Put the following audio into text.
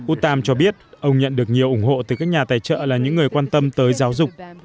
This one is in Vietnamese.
utam cho biết ông nhận được nhiều ủng hộ từ các nhà tài trợ là những người quan tâm tới giáo dục